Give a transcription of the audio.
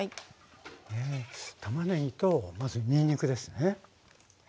たまねぎとまずにんにくですね。